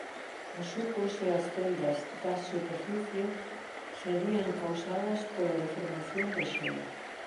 Os sucos e as fendas das superficie serían causadas pola deformación do xeo.